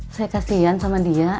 saya kasian sama dia